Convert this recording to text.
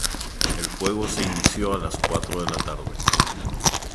El fuego se inició a las cuatro de la tarde.